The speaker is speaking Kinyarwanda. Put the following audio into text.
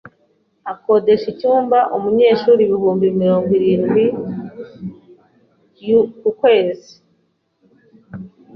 Akodesha icyumba umunyeshuri ibihumbi mirongo irindwi yen ku kwezi.